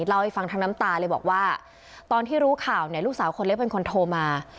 เล่าให้ฟังทั้งน้ำตาเลยบอกว่าตอนที่รู้ข่าวเนี่ยลูกสาวคนเล็กเป็นคนโทรมา